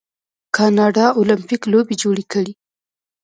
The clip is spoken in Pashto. کاناډا المپیک لوبې جوړې کړي.